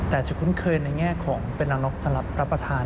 แต่จะคุ้นเคยในแง่ของเป็นนางนกสำหรับรับประทาน